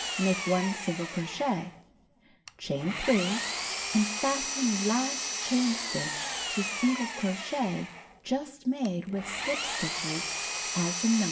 Make 1 single crochet. Chain 3 and fasten last chain stitch to single crochet just made with slip stitch as in Nos.